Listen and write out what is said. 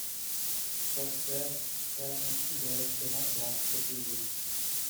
Forster passe ensuite dans le restaurant pour en proposer.